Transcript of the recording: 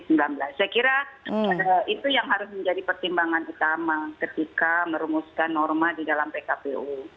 saya kira itu yang harus menjadi pertimbangan utama ketika merumuskan norma di dalam pkpu